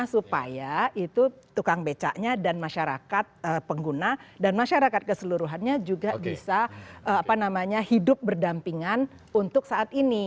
supaya itu tukang becaknya dan masyarakat pengguna dan masyarakat keseluruhannya juga bisa hidup berdampingan untuk saat ini